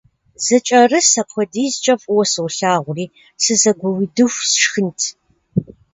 Зэкӏэрыс апхуэдизкӏэ фӏыуэ солъагъури сызэгуиудыху сшхынт.